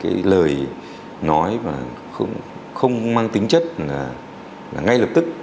cái lời nói và không mang tính chất là ngay lập tức